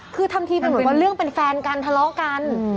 คือทำทีเหมือนเรื่องให้เป็นแฟนกันทะเลาะกัน